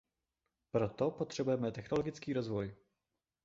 Proto potřebujeme technologický rozvoj.